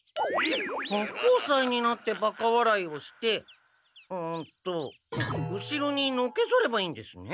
八方斎になってバカわらいをしてんっと後ろにのけぞればいいんですね。